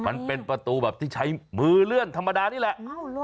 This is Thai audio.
มันเป็นประตูแบบที่ใช้มือเลื่อนธรรมดานี่แหละ